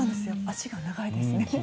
足が長いですね。